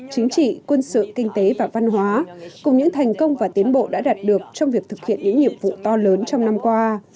chính trị quân sự kinh tế và văn hóa cùng những thành công và tiến bộ đã đạt được trong việc thực hiện những nhiệm vụ to lớn trong năm qua